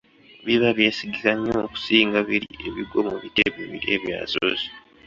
Biba byesigika nnyo okusinga biri ebigwa mu biti ebibiri ebyasoose.